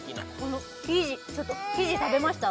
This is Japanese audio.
この生地食べました？